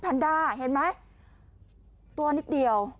เอาดี